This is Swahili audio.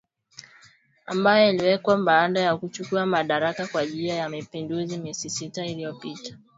ambayo iliwekwa baada ya kuchukua madaraka kwa njia ya mapinduzi miezi sita iliyopita